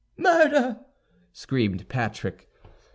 "Murder!" screamed Patrick.